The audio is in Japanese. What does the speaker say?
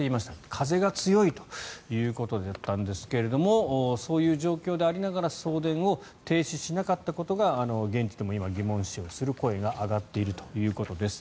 風が強いということだったんですがそういう状況でありながら送電を停止しなかったことが現地でも今、疑問視をする声が上がっているということです。